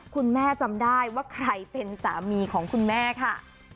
คุณแม่จำได้ว่าใครเป็นสามีของคุณแม่ค่ะ